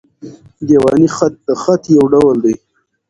دېواني خط؛ د خط یو ډول دﺉ.